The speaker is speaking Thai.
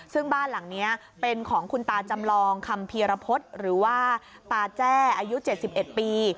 ซึ่งบ้านหลังนี้เป็นของคุณตาจำลองคำพีรพฤษหรือว่าตาแจ้อายุ๗๑ปี